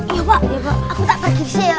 iya pak aku tak pamit sih